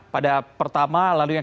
pada pertama lalu yang